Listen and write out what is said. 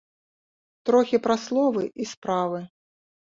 Трохі пра словы і справы.